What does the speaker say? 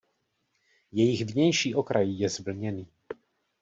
Jejich vnější okraj je zvlněný.